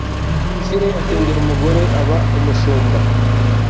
isirayeli atendera umugore aba umushumba